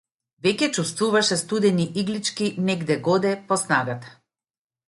Веќе чувствуваше студени иглички негде-годе по снагата.